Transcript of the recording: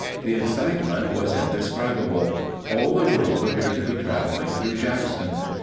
The excitement was indescribable. All the world appeared to be traveling through Jackson.